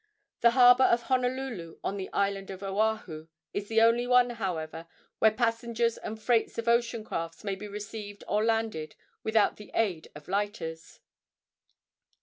The harbor of Honolulu, on the island of Oahu, is the only one, however, where passengers and freights of ocean crafts may be received or landed without the aid of lighters.